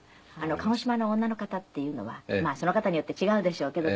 鹿児島の女の方っていうのはまあその方によって違うでしょうけど。